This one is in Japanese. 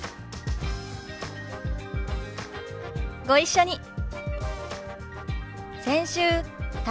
ご一緒に。